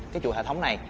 cái chủ thể thống này